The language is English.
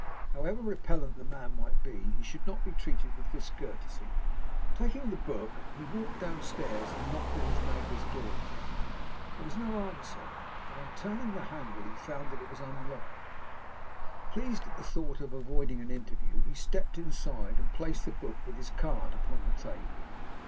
However repellent the man might be, he should not be treated with discourtesy. Taking the book, he walked downstairs and knocked at his neighbour's door. There was no answer; but on turning the handle he found that it was unlocked. Pleased at the thought of avoiding an interview, he stepped inside, and placed the book with his card upon the table.